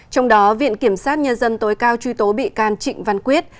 trong đó viện kiểm sát nhân dân tối cao truy tố bị can trịnh văn quyết